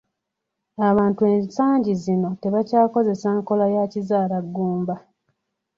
Abantu ensangi zino tebakyakozesa nkola ya kizaalaggumba.